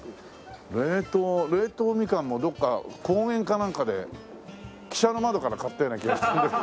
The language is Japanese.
冷凍冷凍みかんもどっか公演かなんかで汽車の窓から買ったような気が。